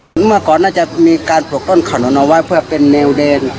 เมื่อก่อนน่าจะมีการปลูกต้นขนุนเอาไว้เพื่อเป็นแนวเดิน